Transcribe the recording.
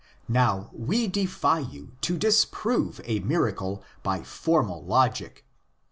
Now we defy you to disprove a miracle by formal logic.